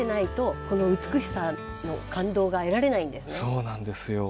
そうなんですよ。